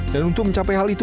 dan untuk mencapai hal itu